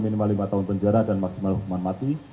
minimal lima tahun penjara dan maksimal hukuman mati